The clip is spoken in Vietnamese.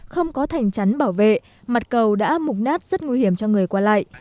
không có thành chắn bảo vệ mặt cầu đã mục nát rất nguy hiểm cho người qua lại